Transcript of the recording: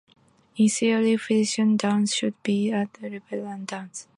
In theory, professional dans should beat all levels of amateur dans.